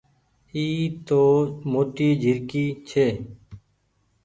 اي تو موٽي جهرڪي ڇي۔